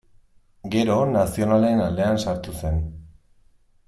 Gero nazionalen aldean sartu zen.